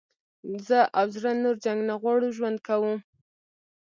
زه او زړه نور جنګ نه غواړو ژوند کوو.